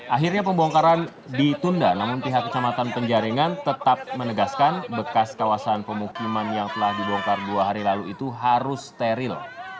akhirnya pembongkaran ditunda namun pihak kecamatan penjaringan tetap menegaskan bekas kawasan pemukiman yang telah dibongkar dua hari lalu itu harus steril